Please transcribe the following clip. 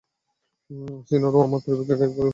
সিনর, ও আমার পরিবারকে গায়েব করে দিয়েছিল।